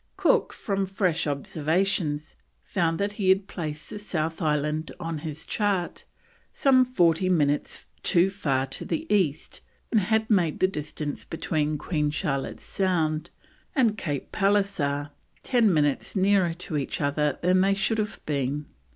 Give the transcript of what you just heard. Cook, from fresh observations, found that he had placed the South Island on his chart some 40 minutes too far to the east, and had made the distance between Queen Charlotte's Sound and Cape Pallisser 10 minutes nearer to each other than they should have been.